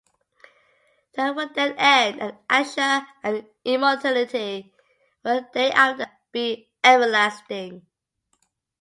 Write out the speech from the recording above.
Time will then end, and "asha" and immortality will thereafter be everlasting.